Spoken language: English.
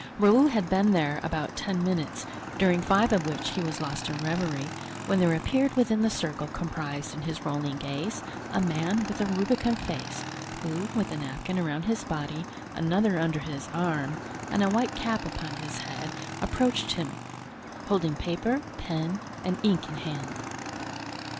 Raoul had been there about ten minutes, during five of which he was lost in reverie, when there appeared within the circle comprised in his rolling gaze a man with a rubicund face, who, with a napkin around his body, another under his arm, and a white cap upon his head, approached him, holding paper, pen and ink in hand.